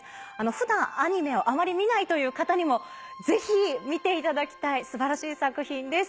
普段アニメをあまり見ないという方にもぜひ見ていただきたい素晴らしい作品です。